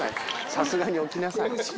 さすがに置きなさい。